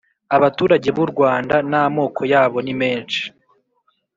abaturage b'u rwanda n’amoko yabo nimenshi